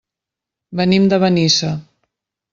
Venim de Benissa.